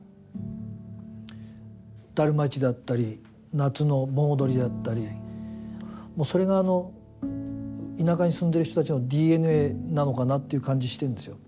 ダルマ市だったり夏の盆踊りだったりそれが田舎に住んでいる人たちのＤＮＡなのかなという感じしてるんですよ。